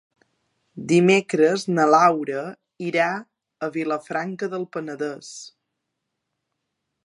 Dimecres na Laura irà a Vilafranca del Penedès.